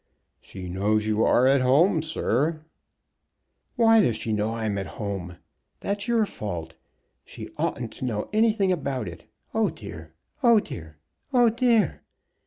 "She knows you are at home, sir." "Why does she know I'm at home? That's your fault. She oughtn't to know anything about it. Oh dear! oh dear! oh dear!"